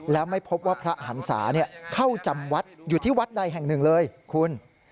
แล้วไม่พบว่าพระหันศาเข้าจำวัดอยู่ที่วัดใดแห่งหนึ่งเลยคุณ